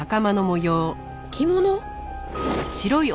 着物。